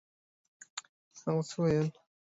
هغه څه ویل؟